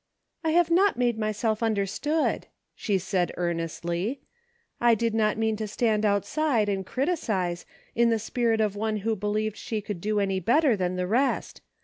" I have not made myself understood," she said earnestly ;" I did not mean to stand outside and criticise in the spirit of one who believed she would do any better than the rest.